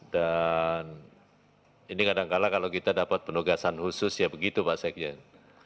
dan ini kadangkala kalau kita dapat penugasan khusus ya begitu pak sekjen